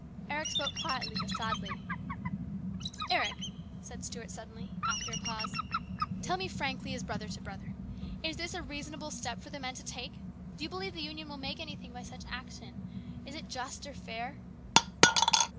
Eric spoke quietly but sadly. " Eric," said Stuart suddenly, after a pause, " tell me frankly, as brother to brother: Is this a reasonable step for the men to take ? Do you believe the Union will make anything by such action? Is it just or fair?"